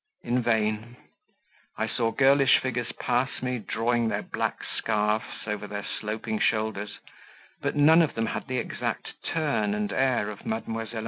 In vain; I saw girlish figures pass me, drawing their black scarfs over their sloping shoulders, but none of them had the exact turn and air of Mdlle.